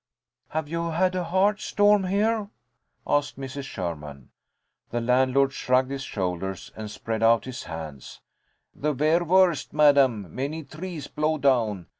"Have you had a hard storm here?" asked Mrs. Sherman. The landlord shrugged his shoulders and spread out his hands. "The vair worst, madame. Many trees blow down.